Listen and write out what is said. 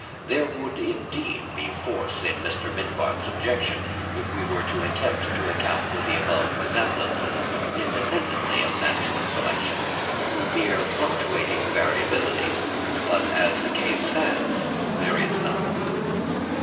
There would indeed be force in Mr. Mivart's objection, if we were to attempt to account for the above resemblances, independently of natural selection, through mere fluctuating variability; but as the case stands there is none.